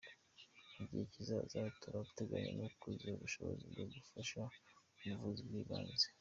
Mu gihe kizaza turateganya no kuziha ubushobozi bwo gufasha mu buvuzi bw’ibanze.